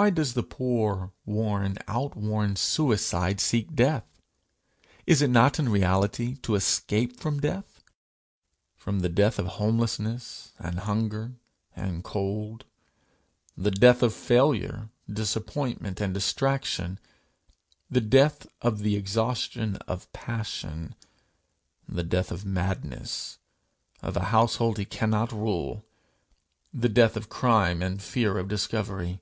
Why does the poor, worn, out worn suicide seek death? Is it not in reality to escape from death? from the death of homelessness and hunger and cold; the death of failure, disappointment, and distraction; the death of the exhaustion of passion; the death of madness of a household he cannot rule; the death of crime and fear of discovery?